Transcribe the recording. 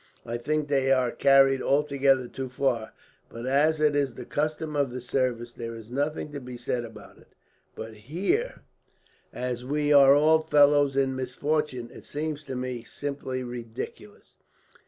I think they are carried altogether too far, but as it is the custom of the service there is nothing to be said about it; but here, as we are all fellows in misfortune, it seems to me simply ridiculous."